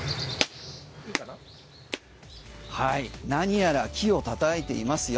何やら木をたたいていますよ。